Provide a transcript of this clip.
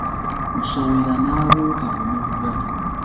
Nsowera n'abuuka omugga.